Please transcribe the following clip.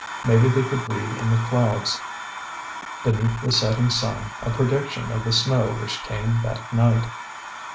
Maybe they could read in the clouds beneath the setting sun a prediction of the snow which came that night.